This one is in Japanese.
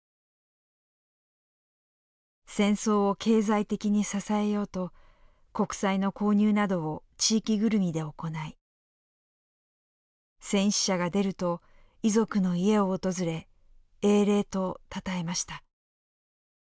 戦争を経済的に支えようと国債の購入などを地域ぐるみで行い戦死者が出ると遺族の家を訪れ英霊とたたえました。